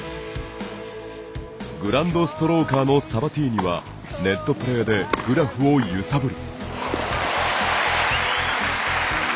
グラウンドストローカーのサバティーニはネットプレーでグラフを揺さぶる。